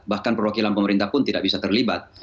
bahkan perwakilan pemerintah pun tidak bisa terlibat